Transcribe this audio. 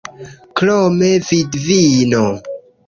Krome, vidvino.